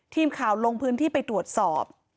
ทีมข่าวลงพื้นที่ไปตรวจสอบ